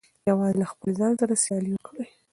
یوازې له خپل ځان سره سیالي وکړئ.